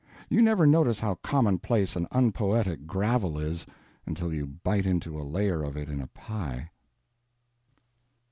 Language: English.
You never notice how commonplace and unpoetic gravel is until you bite into a layer of it in a pie.